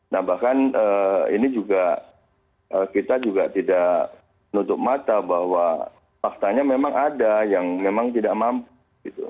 nah bahkan ini juga kita juga tidak menutup mata bahwa faktanya memang ada yang memang tidak mampu gitu